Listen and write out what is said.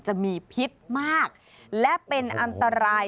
จะมีพิษมากและเป็นอันตราย